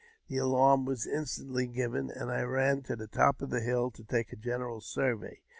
The alarm was instantly given, and I ran to the top of the hill to take a general survey.